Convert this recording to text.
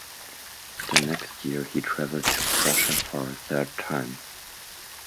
The next year he travelled to Prussia for a third time.